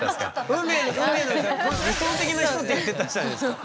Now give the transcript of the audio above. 運命の運命の理想的な人って言ってたじゃないですか。